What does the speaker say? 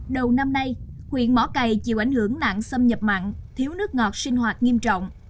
đầu năm nay huyện mỏ cầy chịu ảnh hưởng nạn xâm nhập mặn thiếu nước ngọt sinh hoạt nghiêm trọng